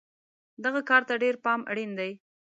دغه کار ته ډېر پام اړین دی.